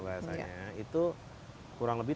bahasanya itu kurang lebih